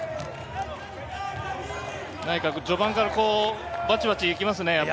序盤からバチバチ行きますね。